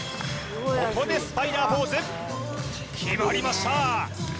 ここでスパイダーポーズ決まりました